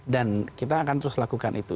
dan kita akan terus lakukan itu